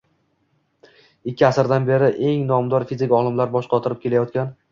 ikki asrdan beri eng nomdor fizik olimlar bosh qotirib kelayotgan